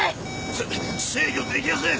せ制御できやせん！